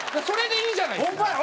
それでいいじゃないですか。